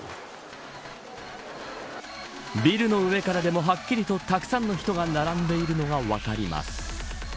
ビルの上からでもはっきりとたくさんの人が並んでいるのが分かります。